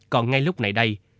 còn ngay lúc này đây